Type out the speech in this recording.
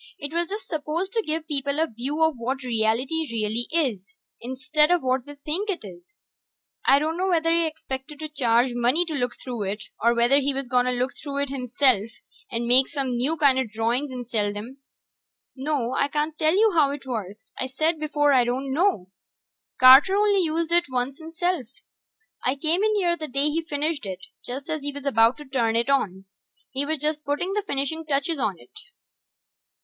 It was just supposed to give people a view of what reality really is, instead of what they think it is. I dunno whether he expected to charge money to look through it, or whether he was gonna look through it himself and make some new kinda drawings and sell 'em. No, I can't tell you how it works I said before I don't know. Carter only used it once himself. I came in here the day he finished it, just as he was ready to turn it on. He was just putting the finishing touches on it.